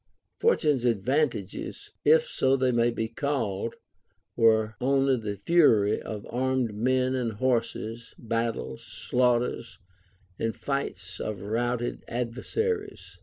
Fortune's advantages, if so they may be called, were only the fury of armed men and horses, battles, slaughters, and flights of routed adver saries.